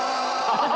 「ハハハハ！